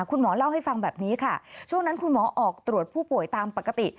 คุณหมอเล่าให้ฟังแบบนี้ค่ะช่วงนั้นคุณหมอออกตรวจผู้ป่วยตามปกติ